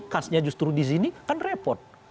khasnya justru di sini kan repot